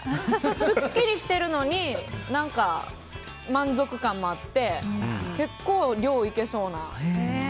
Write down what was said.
すっきりしてるのに満足感もあって結構、量いけそうな。